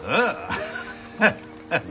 アハハハハ。